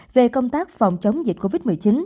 về công tác phòng chống dịch covid một mươi chín